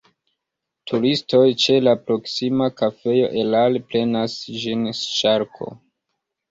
Turistoj ĉe la proksima kafejo erare prenas ĝin ŝarko.